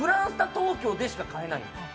東京でしか買えないです。